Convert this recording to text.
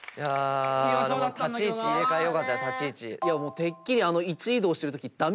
てっきり。